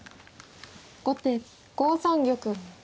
後手５三玉。